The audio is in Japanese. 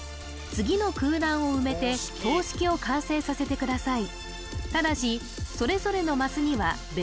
次の空欄を埋めて等式を完成させてください